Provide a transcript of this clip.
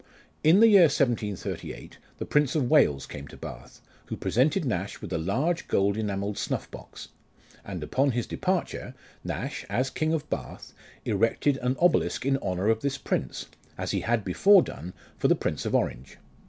In the year 1738, the Prince of "Wales came to Bath, who presented Nash with a large gold enamelled snuff box ; and upon his departure, Nash, as king of Bath, erected an Obelisk in honour of this prince, as he had before done for the Prince of Orange.